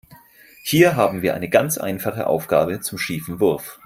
Hier haben wir eine ganz einfache Aufgabe zum schiefen Wurf.